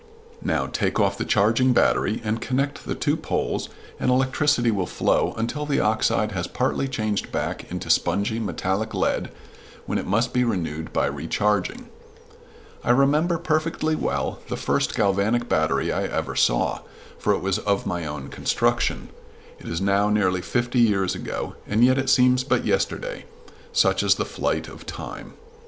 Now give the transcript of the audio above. Now, take off the charging battery and connect the two poles, and electricity will flow until the oxide has partly changed back into spongy metallic lead, when it must be renewed by recharging. I remember perfectly well the first galvanic battery I ever saw, for it was of my own construction. It is now nearly fifty years ago, and yet it seems but yesterday such is the flight of time.